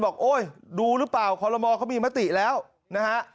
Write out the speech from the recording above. โอ๊ยดูหรือเปล่าคอลโมเขามีมติแล้วนะฮะ